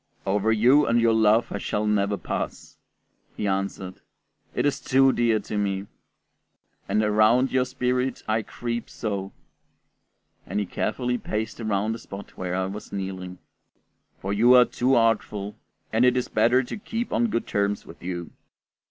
"Over you and your love I shall never pass," he answered, "it is too dear to me; and around your spirit I creep so" (and he carefully paced around the spot where I was kneeling), "for you are too artful, and it is better to keep on good terms with you."